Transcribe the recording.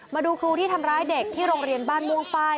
มาดูครูที่ทำร้ายเด็กที่โรงเรียนบ้านม่วงไฟล